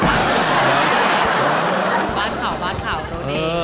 บ้านข่าวรู้ดี